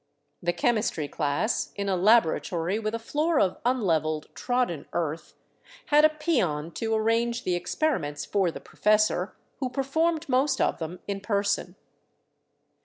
The chemistry class, in a laboratory with a floor of unlevelled, trodden earth, had a peon to arrange the experiments for the professor, who performed most of them in person.